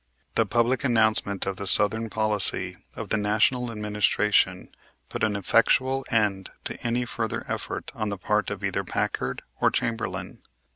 The public announcement of the southern policy of the National Administration put an effectual end to any further effort on the part of either Packard or Chamberlain.